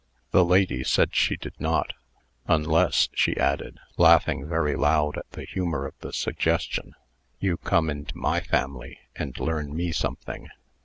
The lady said she did not, "unless," she added, laughing very loud at the humor of the suggestion, "you come into my family, and learn me something."